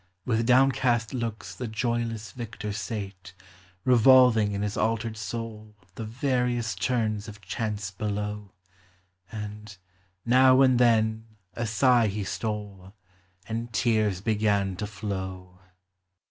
With downcast looks the joyless victor sate, Revolving in bis altered soul The various turns of chance below ; And, now and then, a sigh he stole ; And tears began to flow.